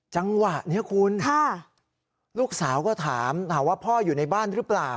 จังหวะนี้คุณลูกสาวก็ถามถามว่าพ่ออยู่ในบ้านหรือเปล่า